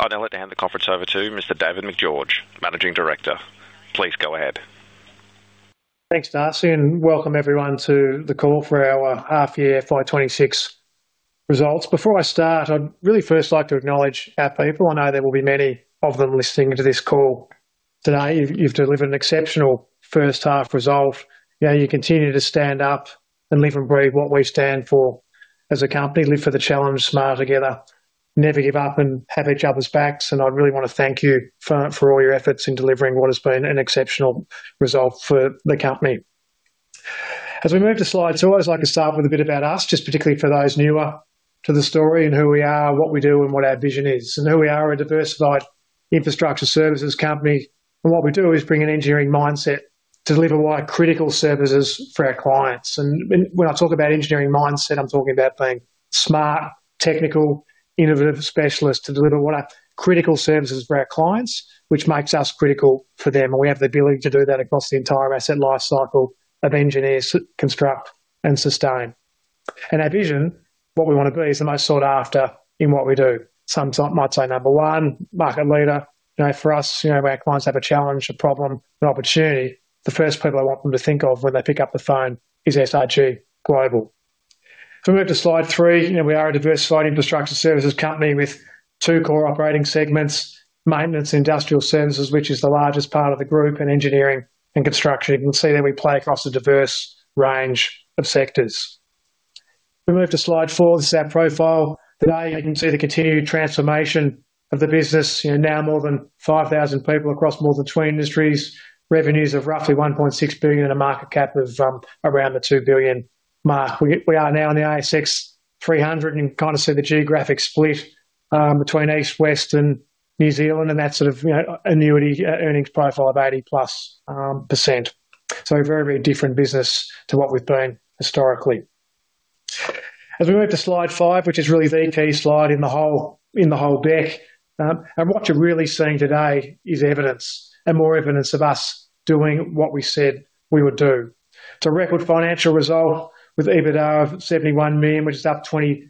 I'd now like to hand the conference over to Mr. David Macgeorge, Managing Director. Please go ahead. Thanks, Darcy, and welcome everyone to the call for our half year FY 2026 results. Before I start, I'd really first like to acknowledge our people. I know there will be many of them listening to this call today. You've delivered an exceptional first half result. You know, you continue to stand up and live and breathe what we stand for as a company. Live for the challenge, smarter together, never give up, and have each other's backs, and I really want to thank you for all your efforts in delivering what has been an exceptional result for the company. As we move to slides, I always like to start with a bit about us, just particularly for those newer to the story and who we are, what we do, and what our vision is. Who we are, a diversified infrastructure services company, and what we do is bring an engineering mindset to deliver what are critical services for our clients. When I talk about engineering mindset, I'm talking about being smart, technical, innovative specialists to deliver what are critical services for our clients, which makes us critical for them. We have the ability to do that across the entire asset life cycle of engineer, construct, and sustain. Our vision, what we want to be, is the most sought after in what we do. Some might say number one, market leader. You know, for us, you know, when our clients have a challenge, a problem, an opportunity, the first people I want them to think of when they pick up the phone is SRG Global. If we move to slide 3, you know, we are a diversified infrastructure services company with two core operating segments: maintenance, industrial services, which is the largest part of the group, and engineering and construction. You can see that we play across a diverse range of sectors. If we move to slide 4, this is our profile. Today, you can see the continued transformation of the business. You know, now more than 5,000 people across more than 20 industries, revenues of roughly 1.6 billion, and a market cap of around 2 billion. We are now in the ASX 300, and you can kind of see the geographic split, between East, West, and New Zealand, and that sort of, you know, annuity, earnings profile of 80+%. So a very, very different business to what we've been historically. As we move to slide five, which is really the key slide in the whole, in the whole deck. And what you're really seeing today is evidence and more evidence of us doing what we said we would do. It's a record financial result with EBITDA of 71 million, which is up 20%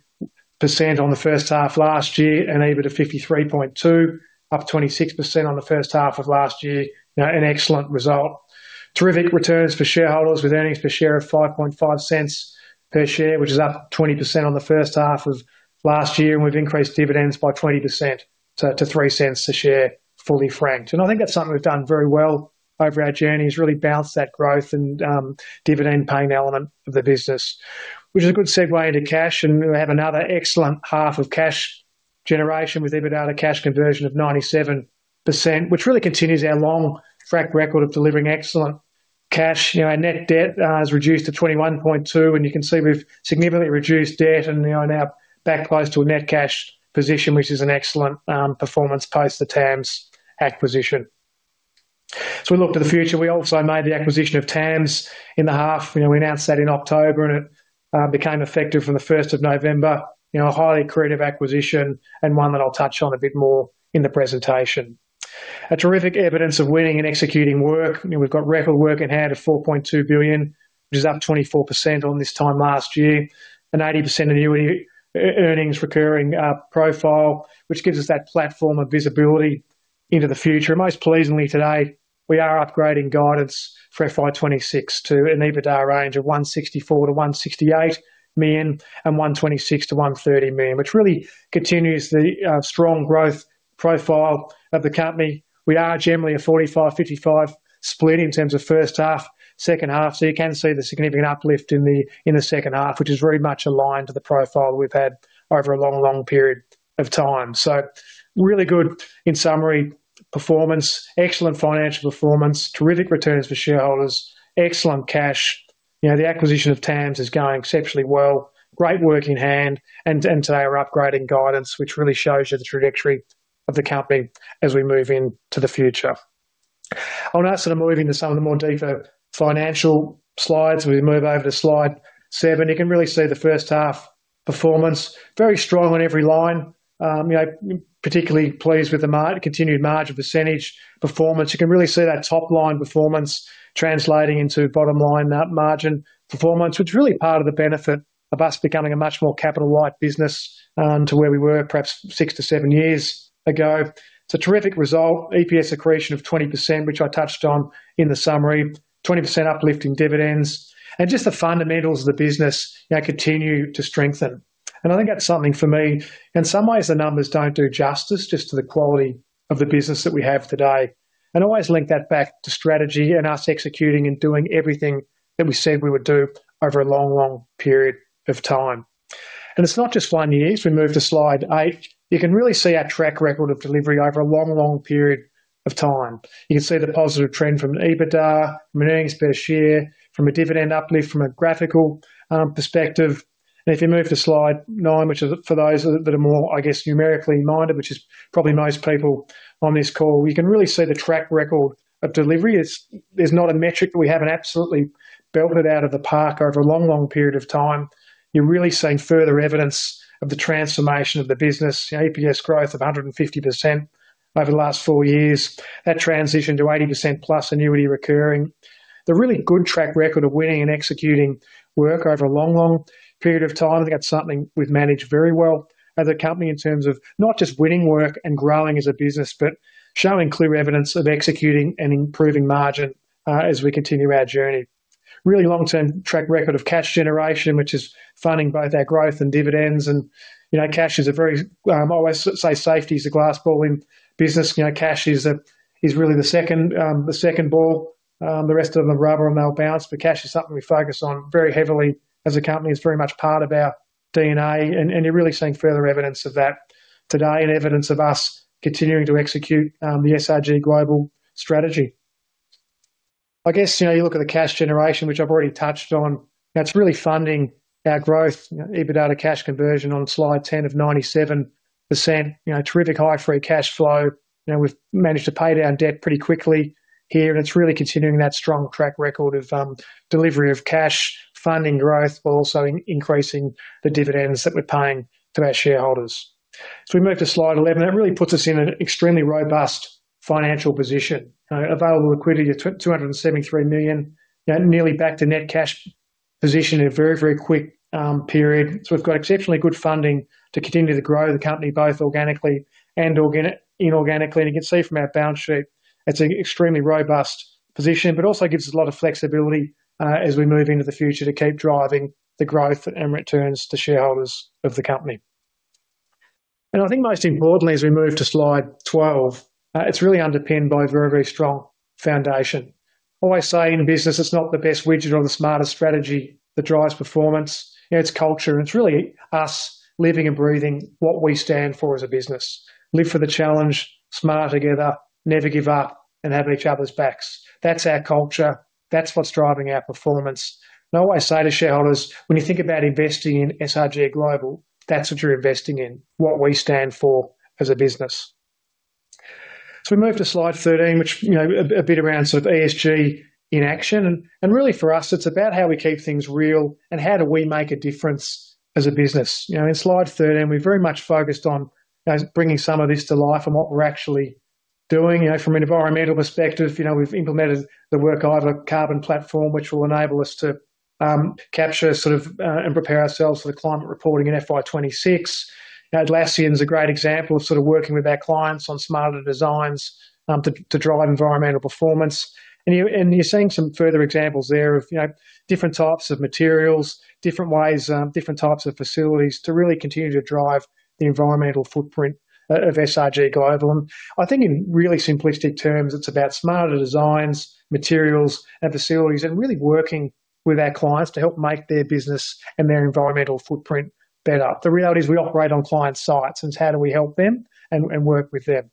on the first half of last year, and EBITDA of 53.2, up 26% on the first half of last year. Now, an excellent result. Terrific returns for shareholders with earnings per share of 0.055, which is up 20% on the first half of last year, and we've increased dividends by 20% to three cents a share, fully franked. I think that's something we've done very well over our journey, is really balance that growth and dividend paying element of the business. Which is a good segue into cash, and we have another excellent half of cash generation with EBITDA to cash conversion of 97%, which really continues our long track record of delivering excellent cash. You know, our net debt has reduced to 21.2, and you can see we've significantly reduced debt, and, you know, now back close to a net cash position, which is an excellent performance post the TAMS acquisition. As we look to the future, we also made the acquisition of TAMS in the half. You know, we announced that in October, and it became effective from the first of November. You know, a highly accretive acquisition and one that I'll touch on a bit more in the presentation. A terrific evidence of winning and executing work. You know, we've got record work in hand of 4.2 billion, which is up 24% on this time last year, an 80% annuity earnings recurring profile, which gives us that platform of visibility into the future. Most pleasingly, today, we are upgrading guidance for FY 2026 to an EBITDA range of 164 million-168 million and 126 million-130 million, which really continues the strong growth profile of the company. We are generally a 45, 55 split in terms of first half, second half, so you can see the significant uplift in the second half, which is very much aligned to the profile we've had over a long, long period of time. So really good, in summary, performance, excellent financial performance, terrific returns for shareholders, excellent cash. You know, the acquisition of TAMS is going exceptionally well. Great work in hand, and today we're upgrading guidance, which really shows you the trajectory of the company as we move into the future. I want to sort of move into some of the more deeper financial slides. We move over to slide 7. You can really see the first half performance, very strong on every line. You know, particularly pleased with the continued margin percentage performance. You can really see that top-line performance translating into bottom-line margin performance, which is really part of the benefit of us becoming a much more capital light business to where we were perhaps 6-7 years ago. It's a terrific result. EPS accretion of 20%, which I touched on in the summary, 20% uplift in dividends, and just the fundamentals of the business, you know, continue to strengthen. I think that's something for me, in some ways, the numbers don't do justice just to the quality of the business that we have today. I'd always link that back to strategy and us executing and doing everything that we said we would do over a long, long period of time. It's not just one year. As we move to slide 8, you can really see our track record of delivery over a long, long period of time. You can see the positive trend from an EBITDA, from earnings per share, from a dividend uplift, from a graphical perspective. And if you move to slide 9, which is for those that are more, I guess, numerically minded, which is probably most people on this call, you can really see the track record of delivery. It's - there's not a metric that we haven't absolutely belted out of the park over a long, long period of time. You're really seeing further evidence of the transformation of the business. EPS growth of 150% over the last four years, that transition to 80%+ annuity recurring. The really good track record of winning and executing work over a long, long period of time, I think that's something we've managed very well as a company in terms of not just winning work and growing as a business, but showing clear evidence of executing and improving margin as we continue our journey. Really long-term track record of cash generation, which is funding both our growth and dividends. You know, cash is a very I always say safety is a glass ball in business. You know, cash is is really the second the second ball. The rest of them are rubber, and they'll bounce, but cash is something we focus on very heavily as a company. It's very much part of our DNA, and you're really seeing further evidence of that today and evidence of us continuing to execute the SRG Global strategy. I guess, you know, you look at the cash generation, which I've already touched on. That's really funding our growth. You know, EBITDA to cash conversion on slide 10 of 97%. You know, terrific high free cash flow. You know, we've managed to pay down debt pretty quickly here, and it's really continuing that strong track record of delivery of cash, funding growth, while also increasing the dividends that we're paying to our shareholders. So we move to slide 11. That really puts us in an extremely robust financial position. You know, available liquidity of 273 million, you know, nearly back to net cash position in a very, very quick period. So we've got exceptionally good funding to continue to grow the company, both organically and inorganically. And you can see from our balance sheet, it's an extremely robust position, but also gives us a lot of flexibility as we move into the future to keep driving the growth and returns to shareholders of the company. And I think most importantly, as we move to slide 12, it's really underpinned by a very, very strong foundation. I always say in business, it's not the best widget or the smartest strategy that drives performance, it's culture, and it's really us living and breathing what we stand for as a business. Live for the challenge, smarter together, never give up, and have each other's backs. That's our culture. That's what's driving our performance. I always say to shareholders, when you think about investing in SRG Global, that's what you're investing in, what we stand for as a business. We move to slide 13, which, you know, a bit around sort of ESG in action, and really for us, it's about how we keep things real and how do we make a difference as a business. You know, in slide 13, we're very much focused on, you know, bringing some of this to life and what we're actually doing. You know, from an environmental perspective, you know, we've implemented the Workiva carbon platform, which will enable us to capture sort of and prepare ourselves for the climate reporting in FY 2026. You know, Atlassian is a great example of sort of working with our clients on smarter designs, to drive environmental performance. You're seeing some further examples there of, you know, different types of materials, different ways, different types of facilities to really continue to drive the environmental footprint of SRG Global. I think in really simplistic terms, it's about smarter designs, materials, and facilities and really working with our clients to help make their business and their environmental footprint better. The reality is we operate on client sites, and it's how do we help them and work with them?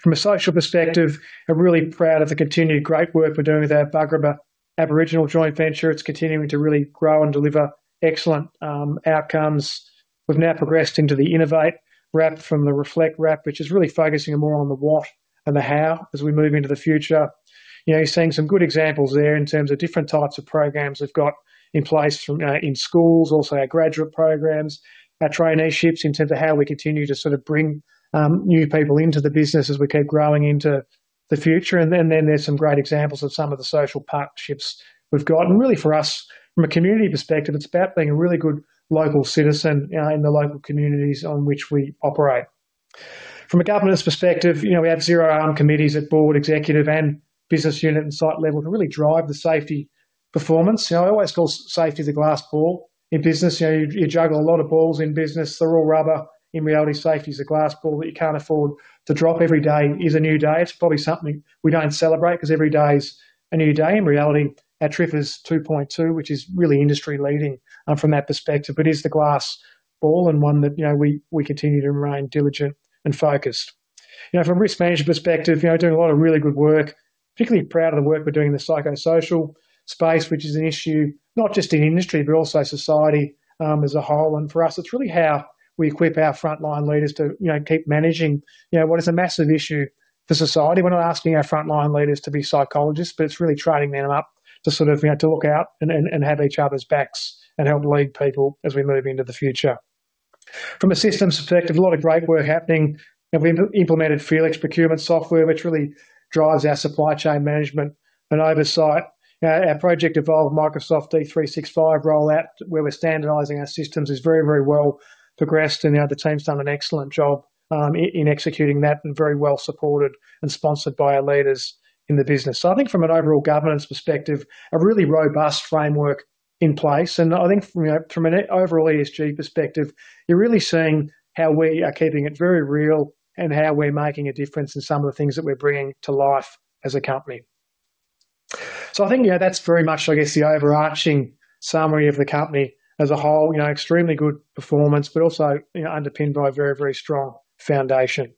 From a social perspective, I'm really proud of the continued great work we're doing with our Bugarrba Aboriginal Joint Venture. It's continuing to really grow and deliver excellent outcomes. We've now progressed into the Innovate RAP from the Reflect RAP, which is really focusing more on the what and the how as we move into the future. You know, you're seeing some good examples there in terms of different types of programs we've got in place from in schools, also our graduate programs, our traineeships, in terms of how we continue to sort of bring new people into the business as we keep growing into the future. And then there's some great examples of some of the social partnerships we've got. And really for us, from a community perspective, it's about being a really good local citizen in the local communities on which we operate. From a governance perspective, you know, we have zero harm committees at board, executive, and business unit and site level to really drive the safety performance. You know, I always call safety the glass ball. In business, you know, you juggle a lot of balls in business, they're all rubber. In reality, safety is a glass ball that you can't afford to drop. Every day is a new day. It's probably something we don't celebrate 'cause every day is a new day. In reality, our TRIR is 2.2, which is really industry-leading, from that perspective, but is the glass ball and one that, you know, we, we continue to remain diligent and focused. You know, from a risk management perspective, you know, doing a lot of really good work. Particularly proud of the work we're doing in the psychosocial space, which is an issue not just in industry, but also society, as a whole. For us, it's really how we equip our frontline leaders to, you know, keep managing, you know, what is a massive issue for society. We're not asking our frontline leaders to be psychologists, but it's really training them up to sort of, you know, to look out and have each other's backs and help lead people as we move into the future. From a systems perspective, a lot of great work happening, and we've implemented Felix procurement software, which really drives our supply chain management and oversight. Our project involved Microsoft D365 rollout, where we're standardizing our systems, is very, very well progressed, and, you know, the team's done an excellent job, in, in executing that and very well supported and sponsored by our leaders in the business. So I think from an overall governance perspective, a really robust framework in place, and I think from, you know, from an overall ESG perspective, you're really seeing how we are keeping it very real and how we're making a difference in some of the things that we're bringing to life as a company. So I think, you know, that's very much, I guess, the overarching summary of the company as a whole. You know, extremely good performance, but also, you know, underpinned by a very, very strong foundation.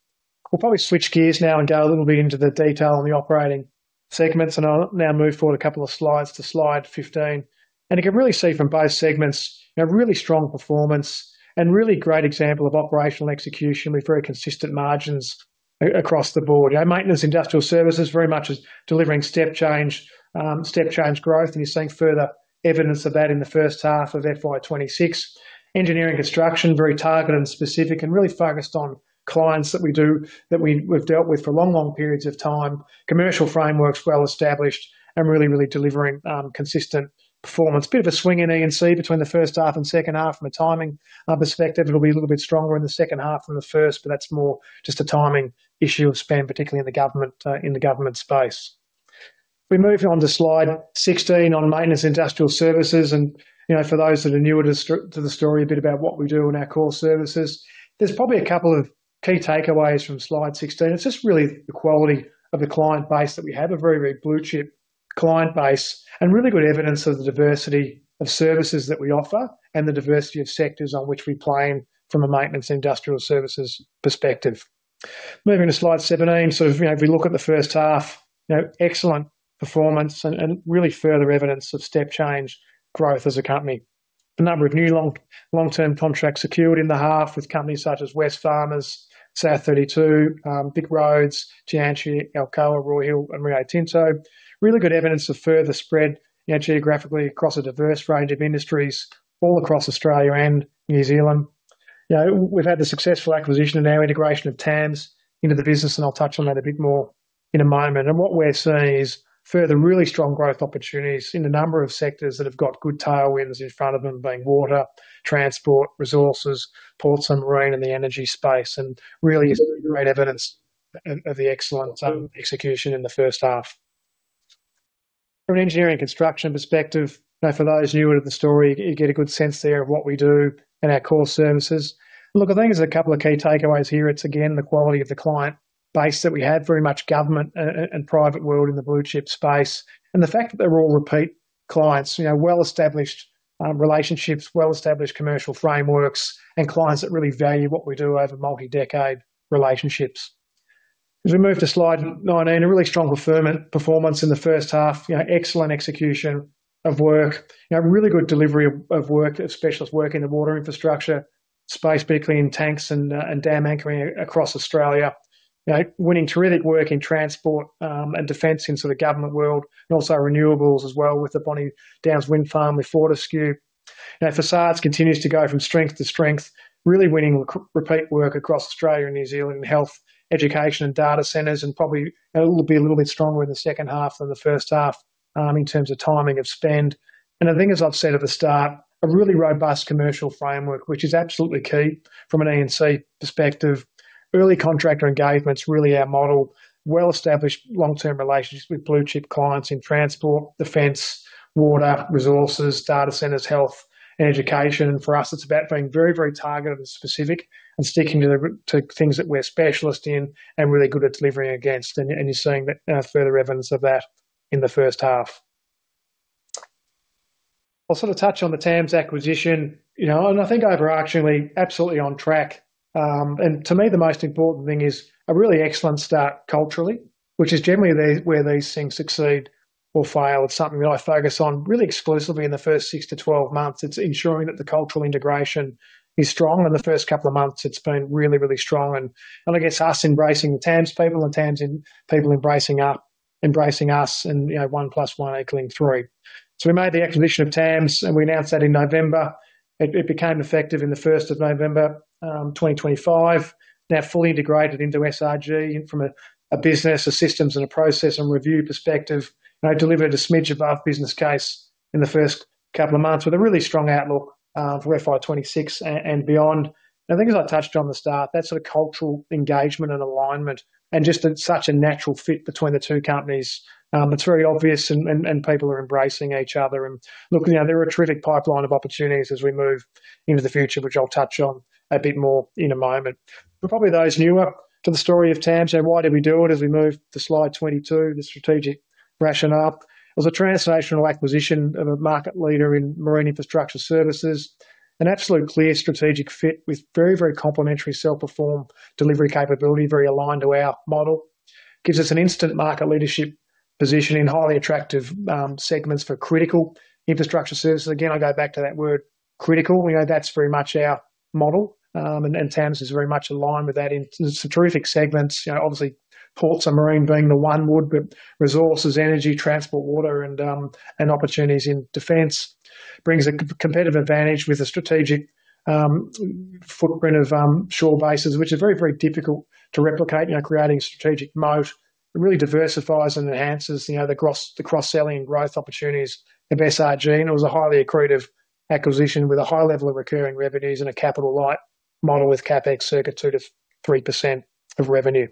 We'll probably switch gears now and go a little bit into the detail on the operating segments, and I'll now move forward a couple of slides to slide 15. And you can really see from both segments, you know, really strong performance and really great example of operational execution with very consistent margins across the board. You know, maintenance, industrial services, very much is delivering step change, step change growth, and you're seeing further evidence of that in the first half of FY 2026. Engineering construction, very targeted and specific and really focused on clients that we—we've dealt with for long, long periods of time. Commercial frameworks, well-established and really, really delivering consistent performance. Bit of a swing in E&C between the first half and second half. From a timing perspective, it'll be a little bit stronger in the second half than the first, but that's more just a timing issue of spend, particularly in the government space. We move on to slide 16 on maintenance industrial services, and, you know, for those that are newer to the story, a bit about what we do in our core services. There's probably a couple of key takeaways from slide 16. It's just really the quality of the client base that we have, a very, very blue chip client base, and really good evidence of the diversity of services that we offer and the diversity of sectors on which we play in from a maintenance industrial services perspective. Moving to slide 17. So, you know, if we look at the first half, you know, excellent performance and really further evidence of step change growth as a company. The number of new long-term contracts secured in the half with companies such as Wesfarmers, South32, VicRoads, Tianqi, Alcoa, Roy Hill and Rio Tinto. Really good evidence of further spread, you know, geographically across a diverse range of industries all across Australia and New Zealand. You know, we've had the successful acquisition and now integration of TAMS into the business, and I'll touch on that a bit more in a moment. What we're seeing is further really strong growth opportunities in a number of sectors that have got good tailwinds in front of them, being water, transport, resources, ports and marine, and the energy space, and really great evidence of the excellent execution in the first half. From an engineering construction perspective, you know, for those newer to the story, you get a good sense there of what we do and our core services. Look, I think there's a couple of key takeaways here. It's again, the quality of the client base that we have, very much government and private world in the blue chip space, and the fact that they're all repeat clients, you know, well-established relationships, well-established commercial frameworks, and clients that really value what we do over multi-decade relationships. As we move to slide 19, a really strong performance in the first half, you know, excellent execution of work. You know, really good delivery of work, of specialist work in the water infrastructure space, particularly in tanks and dam anchoring across Australia. You know, winning terrific work in transport and defense into the government world, and also renewables as well, with the Bonnie Downs Wind Farm with Fortescue. You know, facades continues to go from strength to strength, really winning repeat work across Australia and New Zealand in health, education, and data centers, and probably a little bit, a little bit stronger in the second half than the first half, in terms of timing of spend. And I think, as I've said at the start, a really robust commercial framework, which is absolutely key from an E&C perspective. Early contractor engagement's really our model, well-established long-term relationships with blue chip clients in transport, defense, water, resources, data centers, health and education. And for us, it's about being very, very targeted and specific and sticking to things that we're specialist in and really good at delivering against, and you're seeing the further evidence of that in the first half. I'll sort of touch on the TAMS acquisition, you know, and I think overarchingly, absolutely on track. And to me, the most important thing is a really excellent start culturally, which is generally where these things succeed or fail. It's something that I focus on really exclusively in the first six to 12 months. It's ensuring that the cultural integration is strong, and in the first couple of months, it's been really, really strong and I guess us embracing the TAMS people and TAMS people embracing us, and you know, one plus one equaling three. So we made the acquisition of TAMS, and we announced that in November. It became effective in the first of November 2025. Now fully integrated into SRG from a business, systems and process and review perspective. You know, delivered a smidge above business case in the first couple of months, with a really strong outlook for FY 2026 and beyond. I think, as I touched on the start, that sort of cultural engagement and alignment and just a, such a natural fit between the two companies. It's very obvious and people are embracing each other and looking—you know, there are a terrific pipeline of opportunities as we move into the future, which I'll touch on a bit more in a moment. But probably those newer to the story of TAMS, and why did we do it, as we move to slide 22, the strategic rationale. It was a transformational acquisition of a market leader in marine infrastructure services. An absolute clear strategic fit with very, very complementary self-performed delivery capability, very aligned to our model. Gives us an instant market leadership position in highly attractive segments for critical infrastructure services. Again, I go back to that word critical. You know, that's very much our model, and TAMS is very much aligned with that in some terrific segments. You know, obviously, ports and marine being the one, but resources, energy, transport, water, and opportunities in defense. Brings a competitive advantage with a strategic footprint of shore bases, which are very, very difficult to replicate, you know, creating strategic moat. It really diversifies and enhances, you know, the cross, the cross-selling growth opportunities of SRG, and it was a highly accretive acquisition with a high level of recurring revenues and a capital light model with CapEx circa 2%-3% of revenue.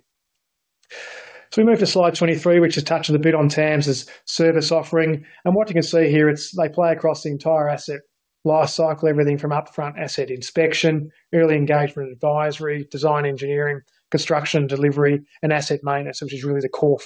So we move to slide 23, which has touched a bit on TAMS' service offering. What you can see here, it's they play across the entire asset life cycle, everything from upfront asset inspection, early engagement and advisory, design engineering, construction, delivery, and asset maintenance, which is really the core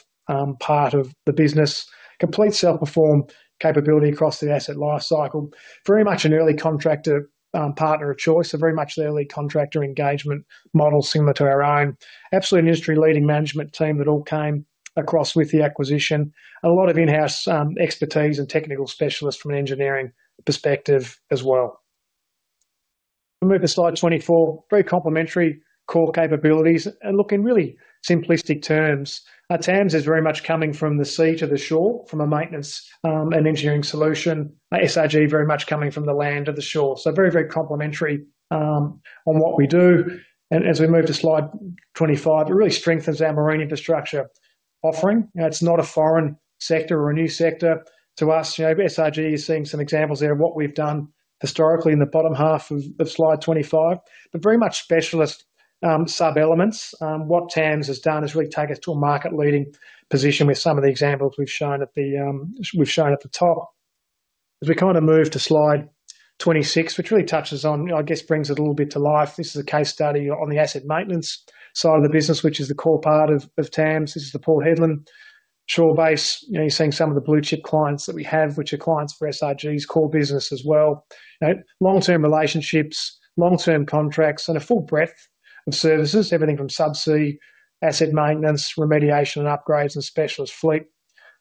part of the business. Complete self-perform capability across the asset life cycle. Very much an early contractor partner of choice, a very much early contractor engagement model similar to our own. Absolutely industry-leading management team that all came across with the acquisition, and a lot of in-house expertise and technical specialists from an engineering perspective as well. We move to slide 24. Very complementary core capabilities and look, in really simplistic terms, TAMS is very much coming from the sea to the shore, from a maintenance and engineering solution. SRG, very much coming from the land to the shore. So very, very complementary on what we do. As we move to slide 25, it really strengthens our marine infrastructure offering. You know, it's not a foreign sector or a new sector to us. You know, SRG is seeing some examples there of what we've done historically in the bottom half of slide 25, but very much specialist sub-elements. What TAMS has done is really take us to a market-leading position with some of the examples we've shown at the top. As we kind of move to slide 26, which really touches on, you know, I guess, brings it a little bit to life. This is a case study on the asset maintenance side of the business, which is the core part of TAMS. This is the Port Hedland shore base. You know, you're seeing some of the blue-chip clients that we have, which are clients for SRG's core business as well. You know, long-term relationships, long-term contracts, and a full breadth of services, everything from subsea, asset maintenance, remediation and upgrades, and specialist fleet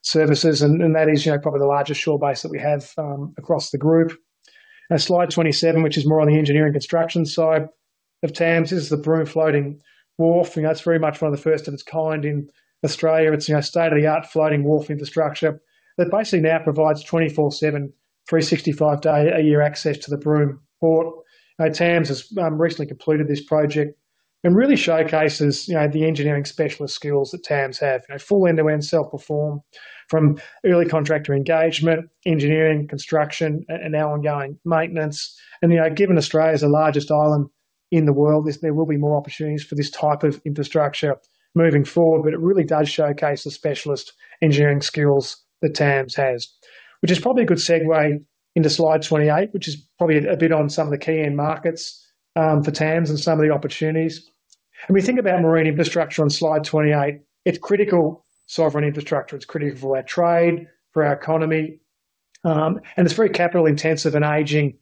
services, and, and that is, you know, probably the largest shore base that we have across the group. And slide 27, which is more on the engineering construction side of TAMS. This is the Broome floating wharf. You know, it's very much one of the first of its kind in Australia. It's, you know, state-of-the-art floating wharf infrastructure that basically now provides 24/7, 365 day a year access to the Broome Port. TAMS has recently completed this project and really showcases, you know, the engineering specialist skills that TAMS have. You know, full end-to-end self-perform from early contractor engagement, engineering, construction, and now ongoing maintenance. And, you know, given Australia is the largest island in the world, this there will be more opportunities for this type of infrastructure moving forward, but it really does showcase the specialist engineering skills that TAMS has. Which is probably a good segue into slide 28, which is probably a bit on some of the key end markets for TAMS and some of the opportunities. And we think about marine infrastructure on slide 28, it's critical sovereign infrastructure. It's critical for our trade, for our economy, and it's very capital intensive and aging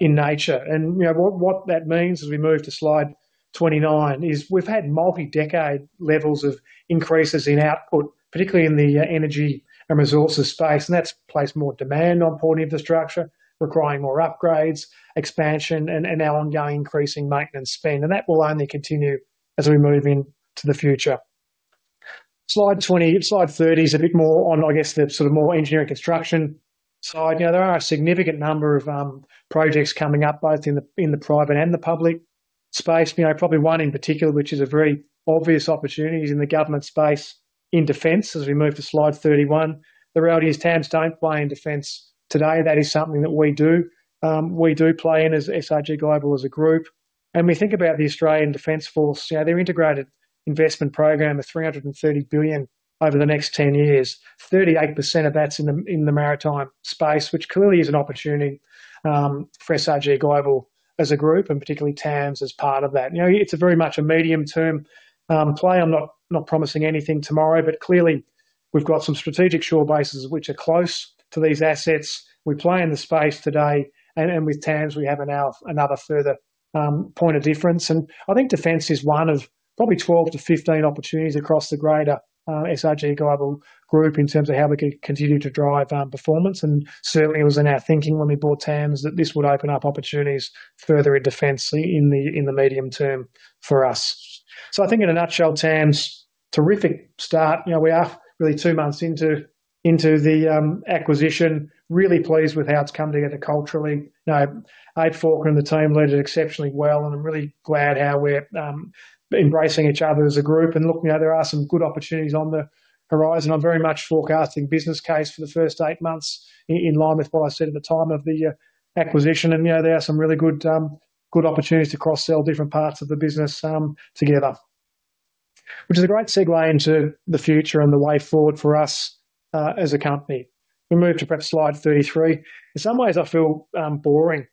in nature. You know, what that means as we move to slide 29, is we've had multi-decade levels of increases in output, particularly in the energy and resources space, and that's placed more demand on port infrastructure, requiring more upgrades, expansion, and now ongoing increasing maintenance spend, and that will only continue as we move into the future. Slide 20-- slide 30 is a bit more on, I guess, the sort of more engineering construction side. You know, there are a significant number of projects coming up, both in the private and the public space. You know, probably one in particular, which is a very obvious opportunity, is in the government space in defense. As we move to slide 31, the reality is TAMS don't play in defense today. That is something that we do. We do play in as SRG Global as a group, and we think about the Australian Defense Force, you know, their integrated investment program of 330 billion over the next 10 years. 38% of that's in the maritime space, which clearly is an opportunity for SRG Global as a group, and particularly TAMS as part of that. You know, it's a very much a medium-term play. I'm not promising anything tomorrow, but clearly we've got some strategic shore bases which are close to these assets. We play in the space today, and with TAMS, we have a now another further point of difference. And I think defense is one of probably 12-15 opportunities across the greater SRG Global group in terms of how we can continue to drive performance. Certainly it was in our thinking when we bought TAMS, that this would open up opportunities further in defense in the medium term for us. So I think in a nutshell, TAMS, terrific start. You know, we are really two months into the acquisition. Really pleased with how it's come together culturally. You know, Ade Faulkner and the team led it exceptionally well, and I'm really glad how we're embracing each other as a group. And look, you know, there are some good opportunities on the horizon. I'm very much forecasting business case for the first eight months in line with what I said at the time of the acquisition. And, you know, there are some really good opportunities to cross-sell different parts of the business together. Which is a great segue into the future and the way forward for us, as a company. We move to perhaps slide 33. In some ways, I feel, boring.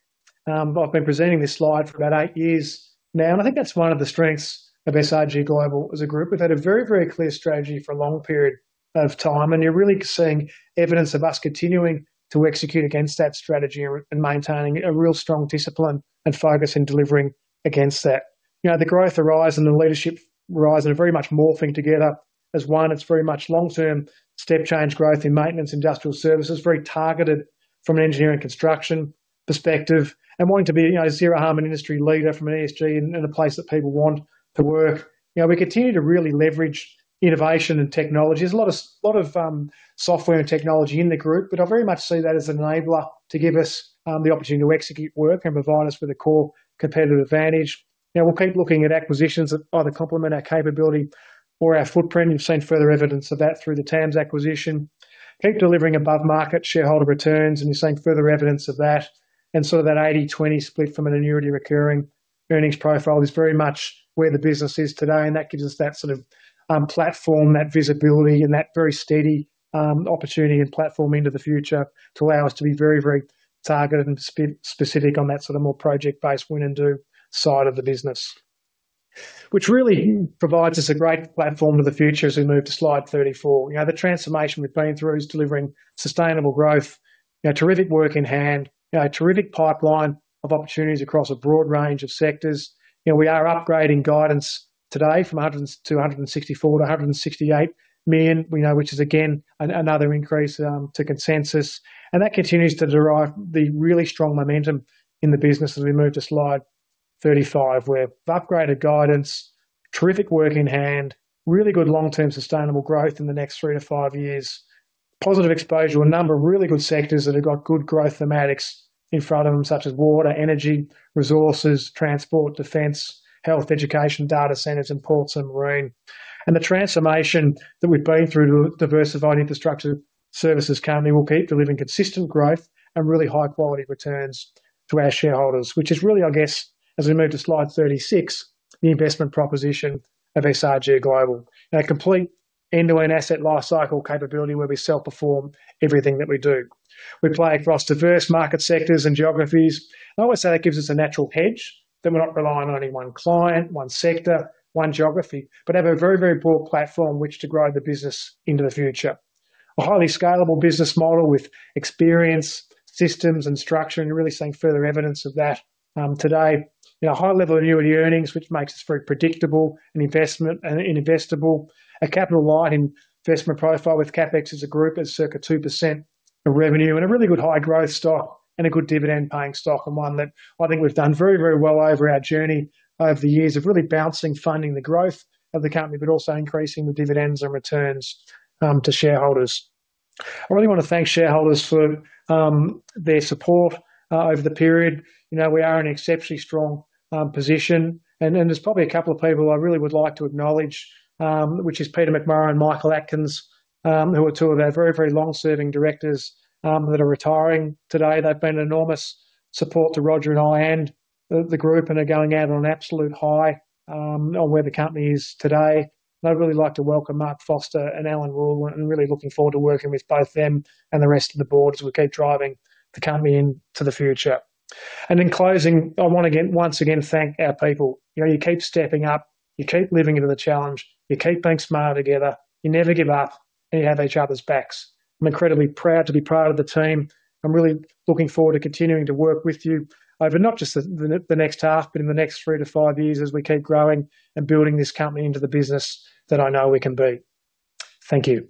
I've been presenting this slide for about eight years now, and I think that's one of the strengths of SRG Global as a group. We've had a very, very clear strategy for a long period of time, and you're really seeing evidence of us continuing to execute against that strategy and, and maintaining a real strong discipline and focus in delivering against that. You know, the growth horizon and the leadership horizon are very much morphing together as one. It's very much long-term step change growth in maintenance, industrial services, very targeted from an engineering construction perspective and wanting to be, you know, zero harm and industry leader from an ESG and a place that people want to work. You know, we continue to really leverage innovation and technology. There's a lot of software and technology in the group, but I very much see that as an enabler to give us the opportunity to execute work and provide us with a core competitive advantage. You know, we'll keep looking at acquisitions that either complement our capability or our footprint. You've seen further evidence of that through the TAMS acquisition. Keep delivering above-market shareholder returns, and you're seeing further evidence of that. And sort of that 80-20 split from an annuity recurring earnings profile is very much where the business is today, and that gives us that sort of platform, that visibility, and that very steady opportunity and platform into the future to allow us to be very, very targeted and specific on that sort of more project-based win and do side of the business. Which really provides us a great platform to the future as we move to slide 34. You know, the transformation we've been through is delivering sustainable growth, you know, terrific work in hand, you know, a terrific pipeline of opportunities across a broad range of sectors. You know, we are upgrading guidance today from 100 and to 164 million-168 million, you know, which is again, another increase to consensus, and that continues to derive the really strong momentum in the business as we move to slide 35, where we've upgraded guidance, terrific work in hand, really good long-term sustainable growth in the next 3-5 years. Positive exposure to a number of really good sectors that have got good growth thematics in front of them, such as water, energy, resources, transport, defense, health, education, data centers, and ports and marine. And the transformation that we've been through to diversified infrastructure services company will keep delivering consistent growth and really high-quality returns to our shareholders. Which is really, I guess, as we move to slide 36, the investment proposition of SRG Global. In a complete—into an asset life cycle capability where we self-perform everything that we do. We play across diverse market sectors and geographies. I always say that gives us a natural hedge, that we're not relying on any one client, one sector, one geography, but have a very, very broad platform which to grow the business into the future. A highly scalable business model with experience, systems, and structure, and you're really seeing further evidence of that, today. You know, a high level of annuity earnings, which makes us very predictable and investment, and investable. A capital light investment profile with CapEx as a group is circa 2% of revenue, and a really good high growth stock and a good dividend paying stock, and one that I think we've done very, very well over our journey over the years of really balancing, funding the growth of the company, but also increasing the dividends and returns to shareholders. I really want to thank shareholders for their support over the period. You know, we are in exceptionally strong position, and there's probably a couple of people I really would like to acknowledge, which is Peter McMorrow and Michael Atkins, who are two of our very, very long-serving directors that are retiring today. They've been an enormous support to Roger and I, and the group, and are going out on an absolute high on where the company is today. I'd really like to welcome Mark Foster and Alan Rule, and really looking forward to working with both them and the rest of the board as we keep driving the company into the future. In closing, I want to, once again, thank our people. You know, you keep stepping up, you keep living into the challenge, you keep being smarter together, you never give up, and you have each other's backs. I'm incredibly proud to be part of the team. I'm really looking forward to continuing to work with you over not just the next half, but in the next three to five years as we keep growing and building this company into the business that I know we can be. Thank you.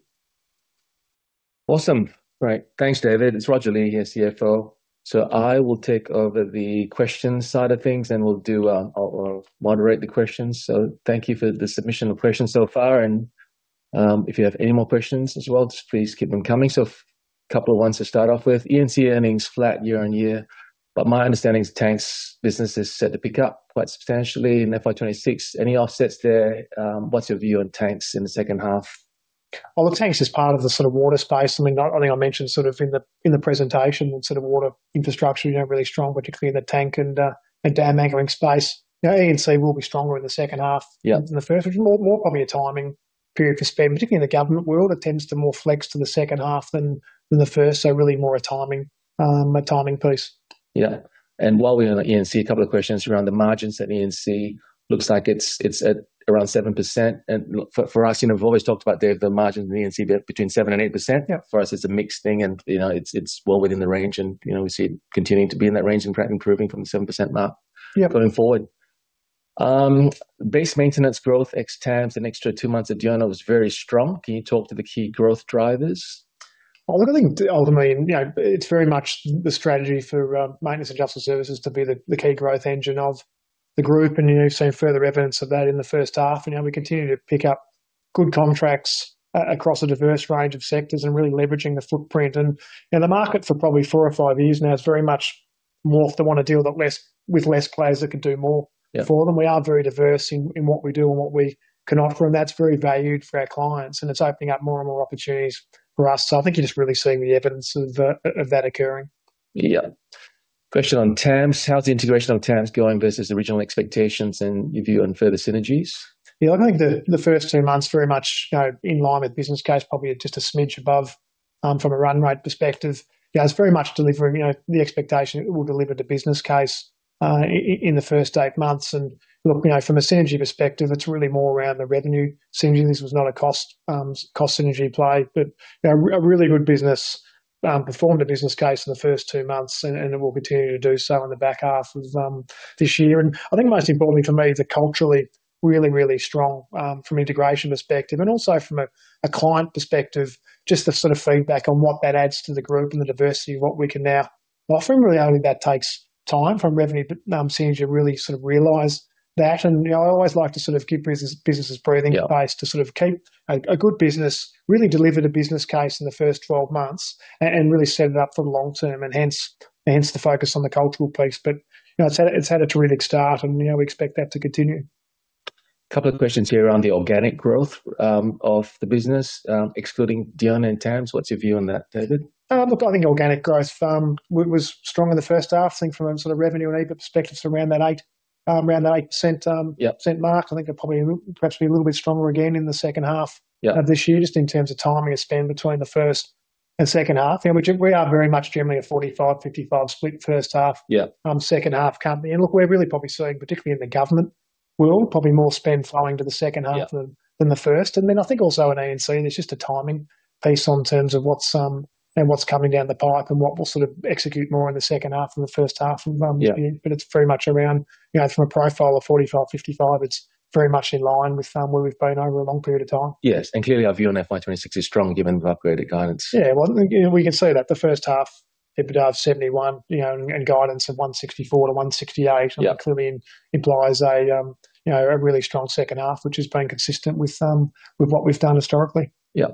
Awesome. Great. Thanks, David. It's Roger Lee here, CFO. So I will take over the questions side of things, and we'll do. I'll moderate the questions. So thank you for the submission of questions so far, and, if you have any more questions as well, just please keep them coming. So a couple of ones to start off with. E&C earnings flat year-over-year, but my understanding is Tanks business is set to pick up quite substantially in FY 2026. Any offsets there? What's your view on Tanks in the second half? Well, TAMS is part of the sort of water space. Something I think I mentioned sort of in the presentation, sort of water infrastructure, you know, really strong, particularly in the tank and dam anchoring space. You know, E&C will be stronger in the second half- Yeah. -than the first, which is more probably a timing period for spend. Particularly in the government world, it tends to more flex to the second half than the first. So really more a timing, a timing piece. Yeah. And while we're on E&C, a couple of questions around the margins at E&C. Looks like it's at around 7%. And for us, you know, we've always talked about the margins in E&C be between 7% and 8%. Yeah. For us, it's a mixed thing and, you know, it's well within the range and, you know, we see it continuing to be in that range and perhaps improving from the 7% mark- Yeah -going forward. Base maintenance growth ex TAMS an extra 2 months at Diona was very strong. Can you talk to the key growth drivers? Well, I think ultimately, you know, it's very much the strategy for maintenance and industrial services to be the key growth engine of the group, and, you know, you've seen further evidence of that in the first half. You know, we continue to pick up good contracts across a diverse range of sectors and really leveraging the footprint. You know, the market for probably four or five years now is very much more if they want to deal with less, with less players that can do more- Yeah -for them. We are very diverse in what we do and what we can offer, and that's very valued for our clients, and it's opening up more and more opportunities for us. So I think you're just really seeing the evidence of that occurring. Yeah. Question on TAMS. How's the integration of TAMS going versus original expectations and your view on further synergies? Yeah, I think the first two months very much, you know, in line with business case, probably just a smidge above, from a run rate perspective. You know, it's very much delivering, you know, the expectation it will deliver the business case in the first eight months. And look, you know, from a synergy perspective, it's really more around the revenue synergy. This was not a cost cost synergy play, but, you know, a really good business performed a business case in the first two months and it will continue to do so in the back half of this year. I think most importantly for me, the culturally really, really strong, from integration perspective and also from a client perspective, just the sort of feedback on what that adds to the group and the diversity of what we can now offer. And really only that takes time from revenue synergy to really sort of realize that. And, you know, I always like to sort of give businesses breathing space- Yeah -to sort of keep a good business, really deliver the business case in the first 12 months and really set it up for the long term, and hence the focus on the cultural piece. But, you know, it's had a terrific start, and, you know, we expect that to continue. Couple of questions here around the organic growth, of the business, excluding Diona and TAMS. What's your view on that, David? Look, I think organic growth was strong in the first half. I think from a sort of revenue and EBIT perspective, it's around that 8, around that 8%- Yeah -mark. I think it'll probably perhaps be a little bit stronger again in the second half- Yeah -of this year, just in terms of timing of spend between the first and second half. And we are very much generally a 45, 55 split first half- Yeah -second half company. And look, we're really probably seeing, particularly in the government world, probably more spend falling to the second half- Yeah -than the first. And then I think also in E&C, and it's just a timing piece in terms of what's and what's coming down the pipe and what we'll sort of execute more in the second half than the first half of- Yeah -but it's very much around, you know, from a profile of 45-55, it's very much in line with where we've been over a long period of time. Yes, and clearly our view on FY 2026 is strong, given the upgraded guidance. Yeah, well, you know, we can see that the first half, EBITDA of 71, you know, and, and guidance of 164-168- Yeah -clearly implies a, you know, a really strong second half, which is being consistent with what we've done historically. Yeah.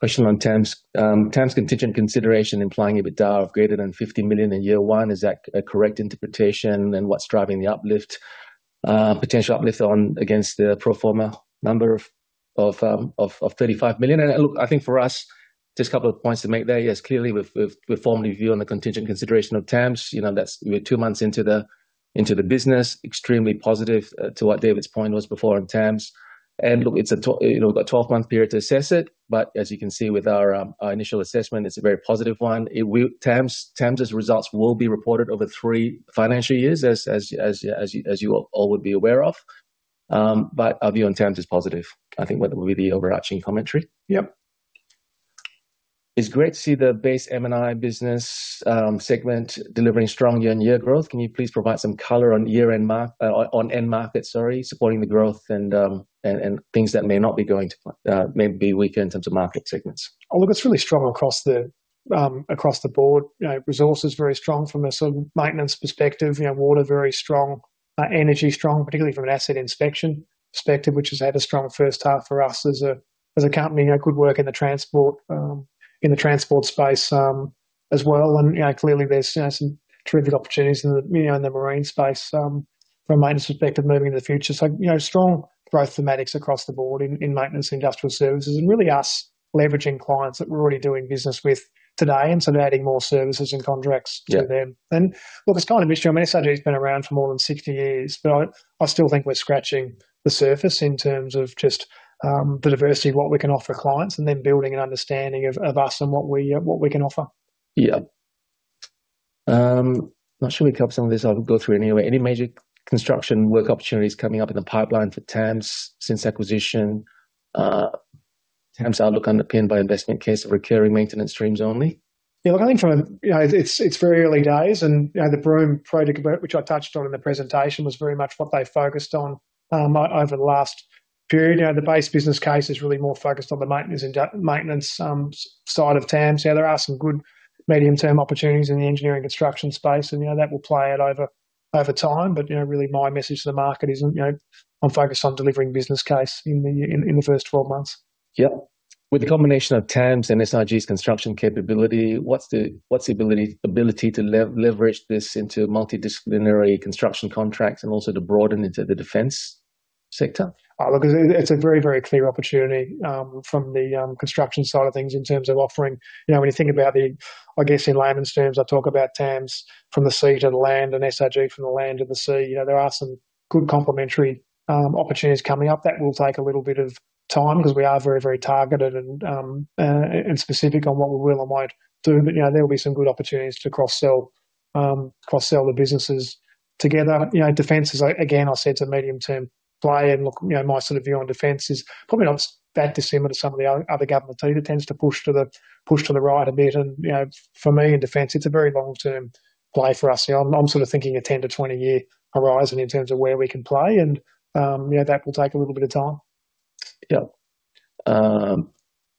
Question on TAMS. TAMS contingent consideration implying EBITDA of greater than 50 million in year 1. Is that a correct interpretation? And what's driving the uplift, potential uplift on against the pro forma number of 35 million? And look, I think for us, just a couple of points to make there. Yes, clearly, we've formed a view on the contingent consideration of TAMS. You know, that's. We're 2 months into the business, extremely positive to what David's point was before on TAMS. And look, it's a, you know, we've got a 12-month period to assess it, but as you can see with our initial assessment, it's a very positive one. It will. TAMS' results will be reported over 3 financial years, as you all would be aware of. But our view on TAMS is positive. I think that would be the overarching commentary. Yep. It's great to see the base M&I business segment delivering strong year-on-year growth. Can you please provide some color on end market and things that may be weaker in terms of market segments? Oh, look, it's really strong across the board. You know, resources is very strong from a sort of maintenance perspective, you know, water, very strong. Energy, strong, particularly from an asset inspection perspective, which has had a stronger first half for us as a company. You know, good work in the transport space, as well. And, you know, clearly there's some terrific opportunities in the marine space, from a maintenance perspective moving into the future. So, you know, strong growth thematics across the board in maintenance, industrial services, and really us leveraging clients that we're already doing business with today, and so adding more services and contracts to them. Yeah. And look, it's kind of mystery. I mean, SRG's been around for more than 60 years, but I, I still think we're scratching the surface in terms of just, the diversity of what we can offer clients and then building an understanding of, of us and what we, what we can offer. Yeah. I'm not sure we covered some of this. I'll go through it anyway. Any major construction work opportunities coming up in the pipeline for TAMS since acquisition? TAMS outlook underpinned by investment case of recurring maintenance streams only? Yeah, look, I think from a—you know, it's, it's very early days and, you know, the Broome project, which I touched on in the presentation, was very much what they focused on over the last period. You know, the base business case is really more focused on the maintenance and maintenance side of TAMS. Yeah, there are some good medium-term opportunities in the engineering construction space and, you know, that will play out over time. But, you know, really my message to the market is, you know, I'm focused on delivering business case in the first 12 months. Yeah. With the combination of TAMS and SRG's construction capability, what's the ability to leverage this into multidisciplinary construction contracts and also to broaden into the defense sector? Look, it's, it's a very, very clear opportunity from the construction side of things in terms of offering. You know, when you think about the, I guess, in layman's terms, I talk about TAMS from the sea to the land and SRG from the land to the sea. You know, there are some good complementary opportunities coming up. That will take a little bit of time- Mm. -because we are very, very targeted and specific on what we will and won't do. But, you know, there will be some good opportunities to cross sell cross sell the businesses together. You know, defense is, again, I said, it's a medium-term play. And look, you know, my sort of view on defense is probably not as bad dissimilar to some of the other government too, that tends to push to the right a bit. And, you know, for me in defense, it's a very long-term play for us. You know, I'm sort of thinking a 10-20 year horizon in terms of where we can play and, you know, that will take a little bit of time. Yeah.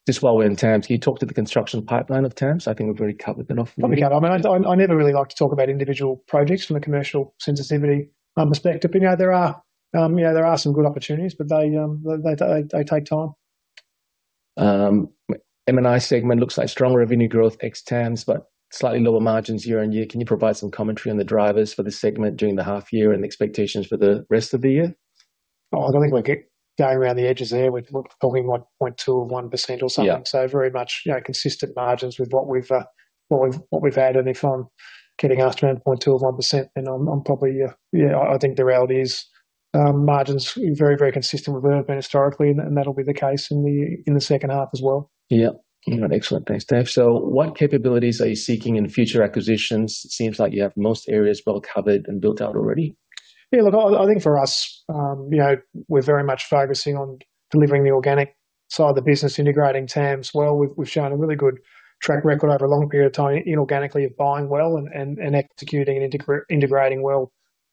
Just while we're in TAMS, can you talk to the construction pipeline of TAMS? I think we've already covered it enough. We've covered. I mean, I never really like to talk about individual projects from a commercial sensitivity perspective. But, you know, there are some good opportunities, but they take time. M&I segment looks like stronger revenue growth ex TAMS, but slightly lower margins year on year. Can you provide some commentary on the drivers for the segment during the half year and the expectations for the rest of the year? Oh, I think we're getting going around the edges there with probably 1.2 or 1% or something. Yeah. So very much, you know, consistent margins with what we've had. And if I'm getting asked around 0.2% or 1%, then I'm probably, yeah, yeah, I think the reality is, margins very, very consistent with historically, and that'll be the case in the second half as well. Yeah. You know, excellent. Thanks, Dave. So what capabilities are you seeking in future acquisitions? It seems like you have most areas well covered and built out already. Yeah, look, I, I think for us, you know, we're very much focusing on delivering the organic side of the business, integrating TAMS well. We've, we've shown a really good track record over a long period of time inorganically of buying well and, and, and executing and integrating well.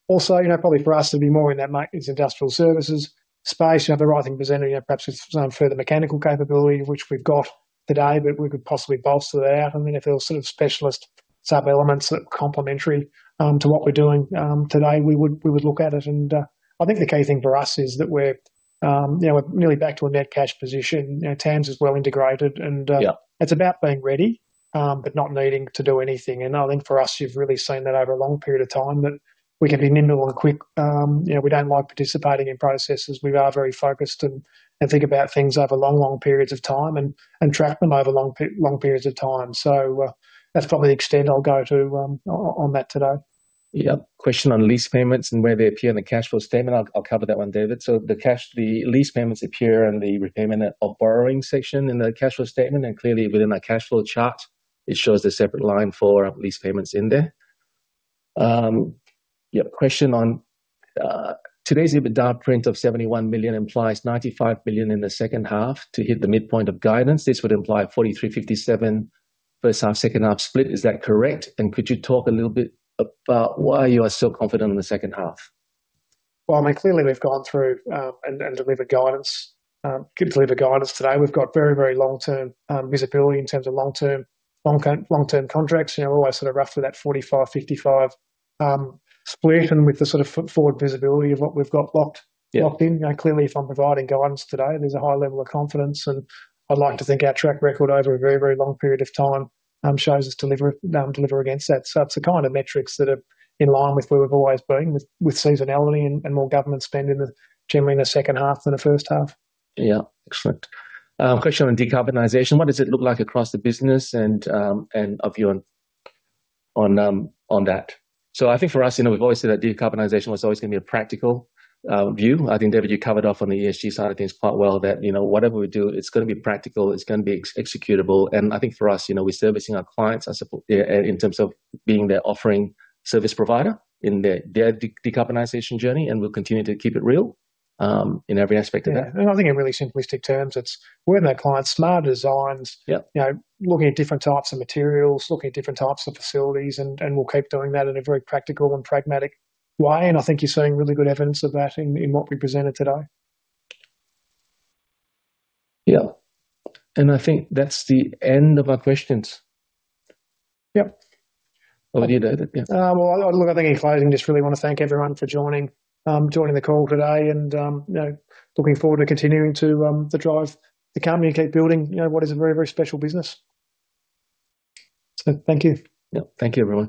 Also, you know, probably for us to be more in that maintenance industrial services space, you know, the right thing presented, you know, perhaps with some further mechanical capability, which we've got today, but we could possibly bolster that out. And then if there were sort of specialist sub elements that are complementary, to what we're doing, today, we would, we would look at it. And, I think the key thing for us is that we're, you know, we're nearly back to a net cash position. You know, TAMS is well integrated and- Yeah -it's about being ready, but not needing to do anything. And I think for us, you've really seen that over a long period of time, that we can be nimble and quick. You know, we don't like participating in processes. We are very focused and think about things over long, long periods of time and track them over long periods of time. So, that's probably the extent I'll go to on that today. Yeah. Question on lease payments and where they appear in the cash flow statement. I'll, I'll cover that one, David. So the cash, the lease payments appear in the repayment of borrowing section in the cash flow statement, and clearly within our cash flow chart, it shows a separate line for lease payments in there. Yeah, question on today's EBITDA print of 71 million implies 95 million in the second half to hit the midpoint of guidance. This would imply 43, 57 first half, second half split. Is that correct? And could you talk a little bit about why you are so confident in the second half? Well, I mean, clearly we've gone through and delivered guidance, clearly the guidance today. We've got very, very long-term visibility in terms of long-term contracts. You know, always sort of roughly that 45-55 split, and with the sort of foot forward visibility of what we've got locked- Yeah -locked in. You know, clearly, if I'm providing guidance today, there's a high level of confidence, and I'd like to think our track record over a very, very long period of time shows us deliver against that. So it's the kind of metrics that are in line with where we've always been, with seasonality and more government spending generally in the second half than the first half. Yeah. Excellent. Question on decarbonization. What does it look like across the business and, and our view on, on, on that? So I think for us, you know, we've always said that decarbonization was always gonna be a practical view. I think, David, you covered off on the ESG side of things quite well, that, you know, whatever we do, it's gonna be practical, it's gonna be executable. And I think for us, you know, we're servicing our clients, in terms of being their offering service provider in their, their decarbonization journey, and we'll continue to keep it real, in every aspect of that. Yeah, and I think in really simplistic terms, it's we're in our clients' smarter designs- Yeah -you know, looking at different types of materials, looking at different types of facilities, and we'll keep doing that in a very practical and pragmatic way. I think you're seeing really good evidence of that in what we presented today. Yeah. I think that's the end of our questions. Yep. Over to you, David. Yeah. Well, look, I think in closing, just really wanna thank everyone for joining the call today and, you know, looking forward to continuing to the drive the company and keep building, you know, what is a very, very special business. So thank you. Yeah. Thank you, everyone.